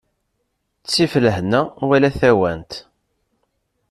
Ttif lehna wala tawant.